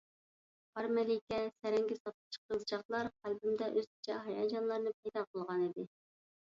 قار مەلىكە، سەرەڭگە ساتقۇچى قىزچاقلار قەلبىمدە ئۆزگىچە ھاياجانلارنى پەيدا قىلغانىدى.